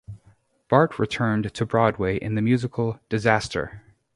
Bart returned to Broadway in the musical, Disaster!